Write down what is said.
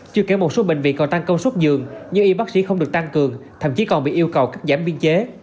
chưa kể một số bệnh viện còn tăng công suất dường như y bác sĩ không được tăng cường thậm chí còn bị yêu cầu cắt giảm biên chế